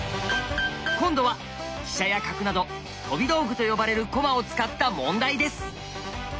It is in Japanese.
今度は飛車や角など「飛び道具」と呼ばれる駒を使った問題です。